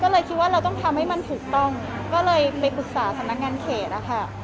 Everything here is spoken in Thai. ก็เลยคิดว่าเราต้องทำให้มันถูกต้องก็เลยไปปรึกษาสำนักงานเขตนะคะ